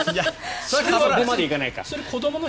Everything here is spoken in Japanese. そこまでじゃないか。